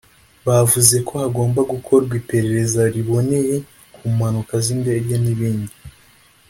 Bavuzeko hagomba gukorwa iperereza riboneye ku mpanuka zindege nibindi